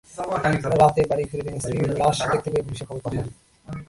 রাতে বাড়ি ফিরে তিনি স্ত্রীর লাশ দেখতে পেয়ে পুলিশে খবর পাঠান।